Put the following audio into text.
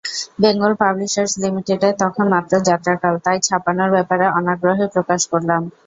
Bengal publishers লিমিটেডের তখন মাত্র যাত্রাকাল, তাই ছাপানোর ব্যাপারে অনাগ্রহই প্রকাশ করলাম।